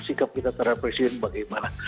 sikap kita terhadap presiden bagaimana